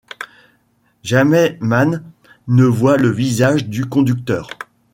Jamais Mann ne voit le visage du conducteur.